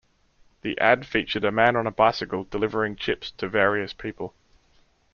The ad featured a man on a bicycle delivering chips to various people.